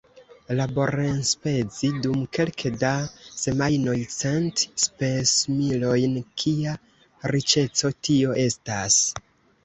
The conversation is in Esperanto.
Laborenspezi dum kelke da semajnoj cent spesmilojn -- kia riĉeco tio estas!